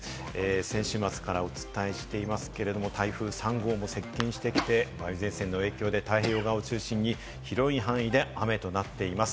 先週末からお伝えしていますけれども、台風３号も接近してきて、梅雨前線の影響で太平洋側を中心に広い範囲で雨となっています。